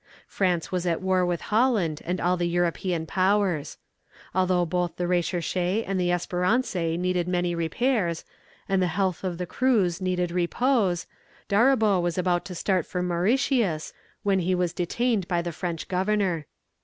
France was at war with Holland and all the European powers. Although both the Recherche and the Espérance needed many repairs, and the health of the crews needed repose, D'Auribeau was about to start for Mauritius, when he was detained by the Dutch governor.